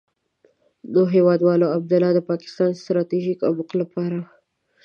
نو هېوادوالو، عبدالله د پاکستان د ستراتيژيک عمق لپاره.